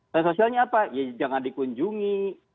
nah sosialnya apa ya jangan dikunjungi